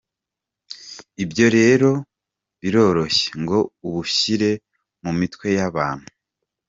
Ibyo rero biroroshye ngo ubishyire mu mitwe y’abantu.